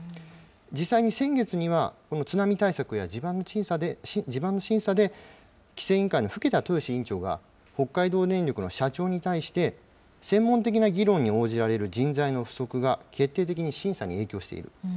実際に先月には、津波対策や地盤の審査で、規制委員会の更田豊志委員長が北海道電力の社長に対して、専門的な議論に応じられる人材の不足が決定的に審査に影響している。